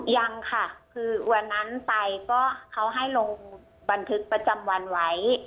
ยังค่ะคือวันนั้นไปก็เขาให้ลงบันทึกประจำวันไว้